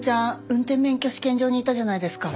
運転免許試験場にいたじゃないですか。